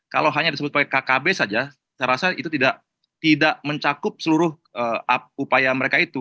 kalau hanya disebut sebagai kkb saja saya rasa itu tidak mencakup seluruh upaya mereka itu